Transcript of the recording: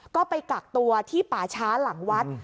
ก็ไปกักตัวที่ป่าช้าหลังวัด